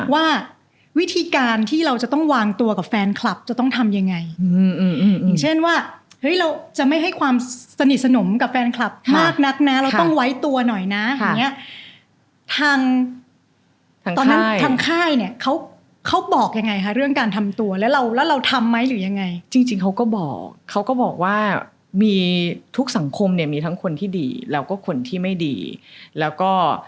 ว่าวิธีการที่เราจะต้องวางตัวกับแฟนคลับจะต้องทำยังไงอืมอย่างเช่นว่าเฮ้ยเราจะไม่ให้ความสนิทสนมกับแฟนคลับมากนักนะเราต้องไว้ตัวหน่อยนะอย่างเงี้ยทางตอนนั้นทางค่ายเนี่ยเขาเขาบอกยังไงคะเรื่องการทำตัวแล้วเราแล้วเราทำไหมหรือยังไงจริงเขาก็บอกเขาก็บอกว่ามีทุกสังคมเนี่ยมีทั้งคนที่ดีแล้วก็คนที่ไม่ดีแล้วก็